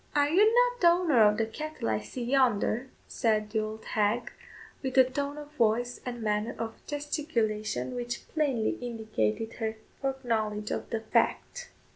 "Are you not the owner of the cattle I see yonder?" said the old hag, with a tone of voice and manner of gesticulation which plainly indicated her foreknowledge of the fact.